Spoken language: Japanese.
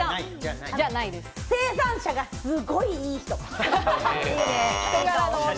生産者がすごいいい人。